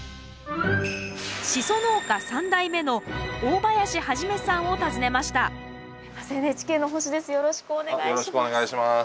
シソ農家３代目の大林元さんを訪ねましたＮＨＫの星です。